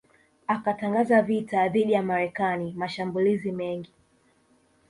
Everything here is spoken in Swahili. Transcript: akatangaza vita dhidi ya Marekani mashambulizi mengi